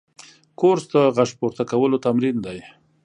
کورس د غږ پورته کولو تمرین دی.